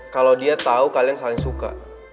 kalo dia tau kalian saling suka